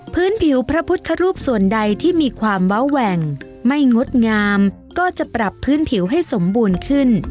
พื้นผิวพระพุทธรูปส่วนใดที่มีความเว้าแหว่งไม่งดงามก็จะปรับพื้นผิวให้สมบูรณ์ขึ้น